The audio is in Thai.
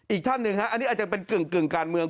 อีกท่านหนึ่งฮะอันนี้อาจจะเป็นกึ่งการเมือง